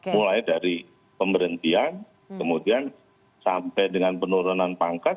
mulai dari pemberhentian kemudian sampai dengan penurunan pangkat